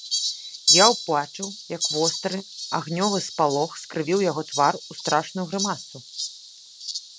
Я ўбачыў, як востры, агнёвы спалох скрывіў яго твар у страшную грымасу.